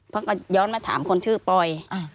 เพราะก็ย้อนมาถามคนชื่อปอย